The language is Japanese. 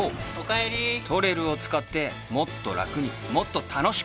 「ＴＯＲＥＲＵ」を使ってもっとラクにもっと楽しく